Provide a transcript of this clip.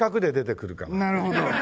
なるほど！